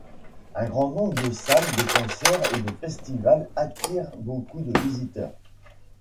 Un grand nombre de salle de concerts et de festivals attirent beaucoup de visiteurs.